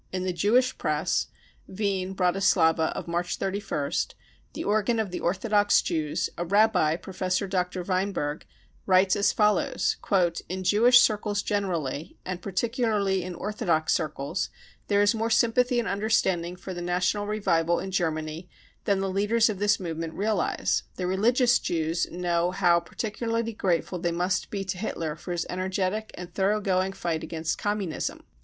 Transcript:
In the Jewish Press (Wien, Bratislava, of March 31st), the organ of the orthodox Jews, a Rabbi, Professor Dr. Weinberg, writes as follows :" In Jewish circles generally, and particularly in orthodox circles, there is more sympathy and understanding for the national revival in Germany than the leaders of this movement realise. The religious Jews know how par ticularly grateful they must be to Hitler for his energetic and thoroughgoing fight against Communism.